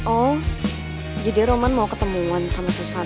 oh jadi roman mau ketemuan sama susan